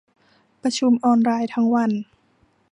ประชุมออนไลน์ทั้งวัน